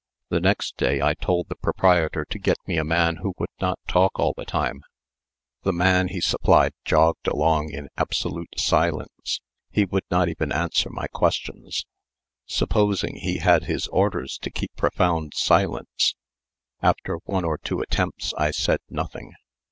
The next day I told the proprietor to get me a man who would not talk all the time. The man he supplied jogged along in absolute silence; he would not even answer my questions. Supposing he had his orders to keep profound silence, after one or two attempts I said nothing.